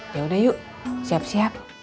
yaudah yuk siap siap